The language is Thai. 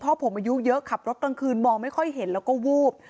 พ่อผมอายุเยอะขับรถกลางคืนมองไม่ค่อยเห็นแล้วก็วูบ